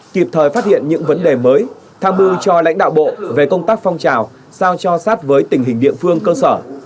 kịp thời phát hiện những vấn đề mới tham mưu cho lãnh đạo bộ về công tác phong trào sao cho sát với tình hình địa phương cơ sở